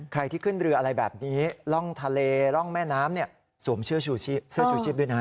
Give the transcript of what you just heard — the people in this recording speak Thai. ใครที่ขึ้นเรืออะไรแบบนี้ร่องทะเลร่องแม่น้ำสวมเสื้อชูเสื้อชูชีพด้วยนะ